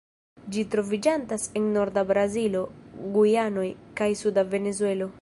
Ĝi troviĝantas en norda Brazilo, Gujanoj, kaj suda Venezuelo.